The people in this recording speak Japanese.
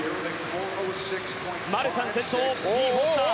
マルシャン、先頭２位、フォスター。